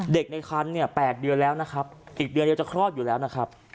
ในคันเนี่ย๘เดือนแล้วนะครับอีกเดือนเดียวจะคลอดอยู่แล้วนะครับ